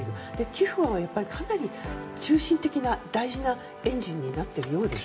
寄付はかなり中心的な大事なエンジンになっているようですよ。